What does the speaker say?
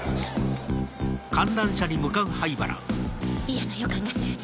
嫌な予感がする